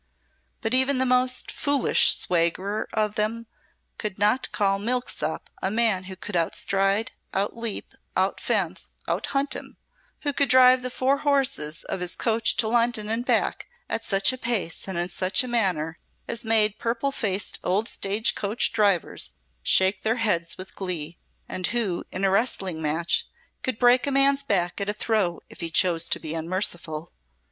But even the most foolish swaggerer of them could not call milksop a man who could outride, outleap, outfence, outhunt him; who could drive the four horses of his coach to London and back at such a pace and in such a manner as made purple faced old stage coach drivers shake their heads with glee, and who, in a wrestling match, could break a man's back at a throw if he chose to be unmerciful.